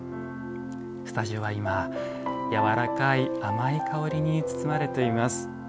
スタジオは今、やわらかい甘い香りに包まれています。